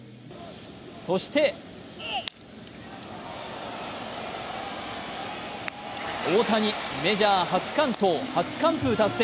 そして大谷、メジャー初完投、初完封達成。